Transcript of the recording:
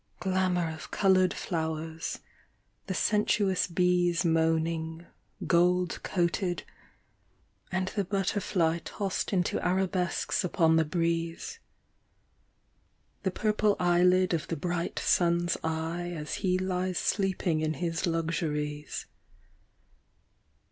Glamour of coloured flower?, the sensuous bees Moaning, gold coated, and the butterfly Tossed into arabesques upon the breeze. The purple eyelid of the bright sun's eye As he lies sleeping in his luxuries